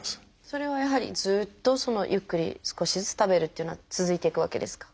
それはやはりずっとゆっくり少しずつ食べるというのは続いていくわけですか？